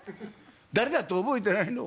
誰だって覚えてないの。